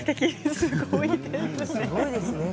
すごいですね。